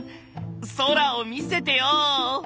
空を見せてよ！